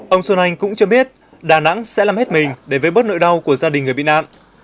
ông xuân anh cũng cho biết đà nẵng sẽ làm hết mình để với bớt nỗi đau của gia đình người bị nạn